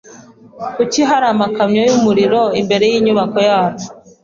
Kuki hari amakamyo yumuriro imbere yinyubako yacu?